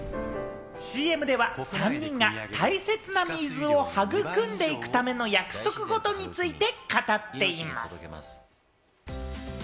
ＣＭでは３人が大切な水を育んでいくための約束事について語っています。